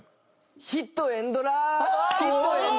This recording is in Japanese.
ヒットエンドラーン！